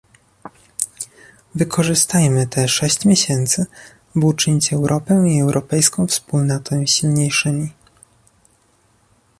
Wykorzystajmy te sześć miesięcy, aby uczynić Europę i europejską wspólnotę silniejszymi